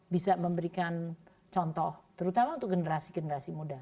bisa memberikan contoh terutama untuk generasi generasi muda